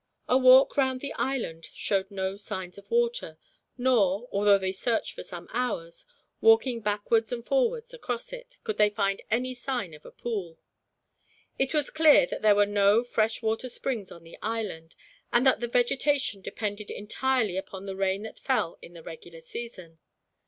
A walk round the island showed no signs of water; nor, although they searched for some hours, walking backwards and forwards across it, could they find any sign of a pool. It was clear that there were no fresh water springs on the island, and that the vegetation depended entirely upon the rain that fell in the regular season.